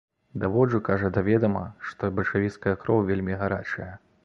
Даводжу, кажа, да ведама, што бальшавіцкая кроў вельмі гарачая.